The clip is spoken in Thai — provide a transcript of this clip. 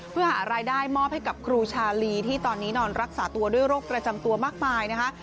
เพื่อหารายได้มอบให้กับครูชาลีที่ตอนนี้นอนรักษาตัวด้วยโรคประจำตัวมากมายนะคะ